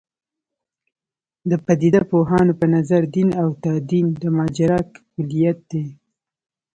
د پدیده پوهانو په نظر دین او تدین د ماجرا کُلیت دی.